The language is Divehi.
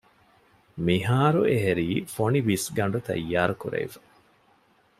މިހާރު އެހެރީ ފޮނި ބިސްގަނޑު ތައްޔާރުވެފަ